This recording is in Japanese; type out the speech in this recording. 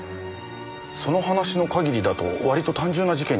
その話の限りだと割と単純な事件に思いますけど。